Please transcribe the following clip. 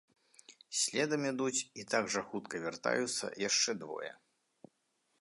Следам ідуць і так жа хутка вяртаюцца яшчэ двое.